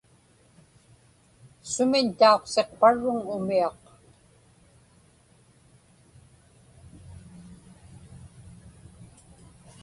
Sumiñ tauqsiqparruŋ umiaq?